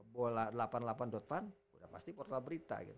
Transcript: bola delapan puluh delapan fund sudah pasti portal berita